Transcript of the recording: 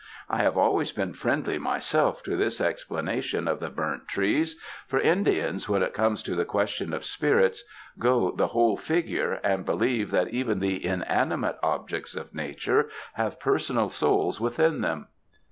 I have always been friendly, myself, to this explanation of the burnt trees; for Indians, when it comes to the question of spirits, go the whole figure, and believe that even the inanimate objects of Nature have per sonal souls within them."